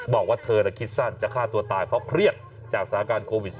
บอกว่าเธอคิดสั้นจะฆ่าตัวตายเพราะเครียดจากสถานการณ์โควิด๑๙